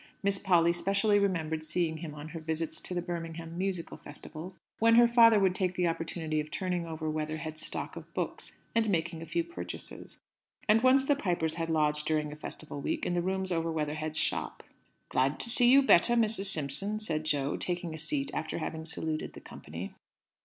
Miss Polly specially remembered seeing him on her visits to the Birmingham Musical Festivals, when her father would take the opportunity of turning over Weatherhead's stock of books, and making a few purchases. And once the Pipers had lodged during a Festival week in the rooms over Weatherhead's shop. "Glad to see you better, Mrs. Simpson," said Jo, taking a seat after having saluted the company.